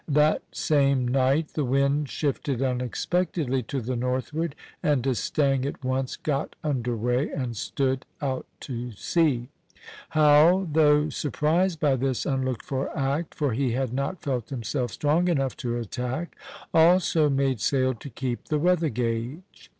That same night the wind shifted unexpectedly to the northward, and D'Estaing at once got under way and stood out to sea. Howe, though surprised by this unlooked for act, for he had not felt himself strong enough to attack, also made sail to keep the weather gage.